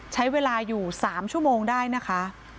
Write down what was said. ใช้เวลาอยู่๓ชั่วโมงได้นะคะ